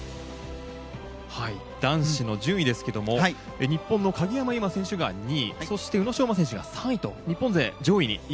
男子の順位ですけど日本の鍵山優真選手が２位そして、宇野昌磨選手が３位と日本勢、上位に。